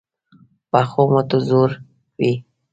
پخو مټو زور وي